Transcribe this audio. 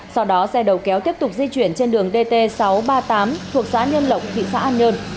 sau đó xe đầu kéo tiếp tục di chuyển trên đường dt sáu trăm ba mươi tám thuộc xã nhơn lộng thị xã an nhơn